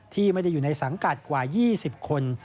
ที่ไม่ได้อยู่ในสังกัดกว่า๒๐คน